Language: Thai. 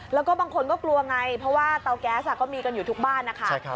แล้วก็บางคนก็กลัวไงเพราะว่าเตาแก๊สก็มีกันอยู่ทุกบ้านนะคะ